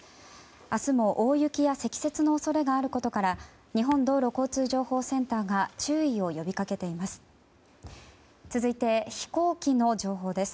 明日も大雪や積雪の恐れがあることから日本道路交通情報センターが注意を呼びかけています。